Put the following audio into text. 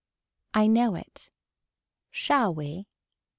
I know it. Shall we.